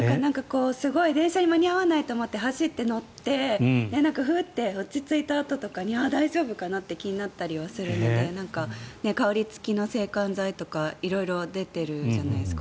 電車に間に合わないと思って走って乗ってふって落ち着いたあととかにあ、大丈夫かな？って気になったりはするので香り付きの制汗剤とか色々、出ているじゃないですか。